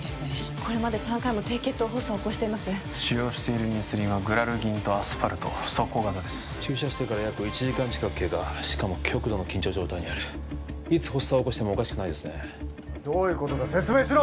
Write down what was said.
これまで３回も低血糖発作を起こしています使用しているインスリンはグラルギンとアスパルト速効型です注射してから約１時間近く経過しかも極度の緊張状態にあるいつ発作を起こしてもおかしくないですねどういうことだ説明しろ！